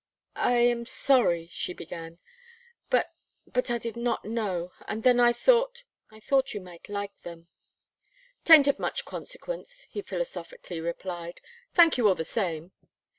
"I am sorry," she began, "but but I did not know; and then I thought I thought you might like them." "'Taint of much consequence," he philosophically replied, "thank you all the same.